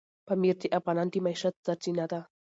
پامیر د افغانانو د معیشت سرچینه ده.